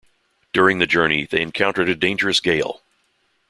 During the journey, they encountered a dangerous gale.